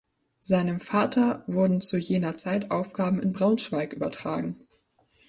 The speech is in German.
Seinem Vater wurden zu jener Zeit Aufgaben in Braunschweig übertragen.